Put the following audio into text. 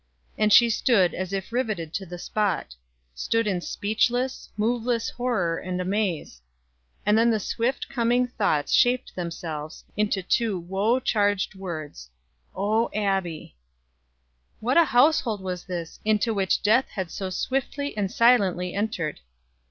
And she stood as if riveted to the spot; stood in speechless, moveless horror and amaze and then the swift coming thoughts shaped themselves into two woe charged words: "Oh Abbie!" What a household was this into which death had so swiftly and silently entered!